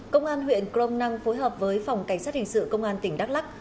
công an huyện crom năng phối hợp với phòng cảnh sát hình sự công an tỉnh đắk lắc